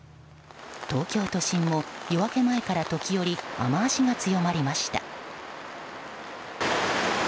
東京都心も夜明け前から時折雨脚が強まりました。